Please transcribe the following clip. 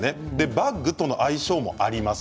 バッグとの相性もあります。